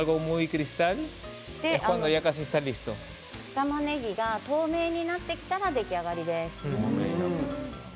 たまねぎが透明になってきたら出来上がりです。